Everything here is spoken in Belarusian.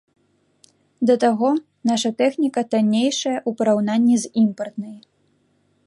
Да таго, наша тэхніка таннейшая ў параўнанні з імпартнай.